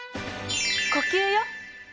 呼吸よ。